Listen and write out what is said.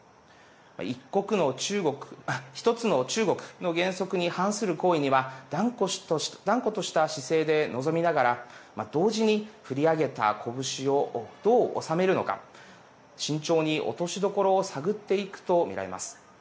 一国の中国１つの中国の原則に反する行為には断固とした姿勢で臨みながら同時に振り上げた拳をどう収めるのか慎重に落としどころを探っていくと見られます。